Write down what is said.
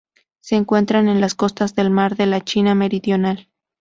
Se encuentran en las costas del Mar de la China Meridional.